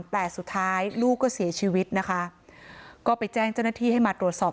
แต่สุดท้ายลูกก็เสียชีวิตนะคะก็ไปแจ้งเจ้าหน้าที่ให้มาตรวจสอบ